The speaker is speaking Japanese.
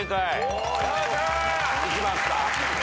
いきました。